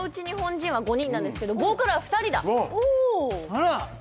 あら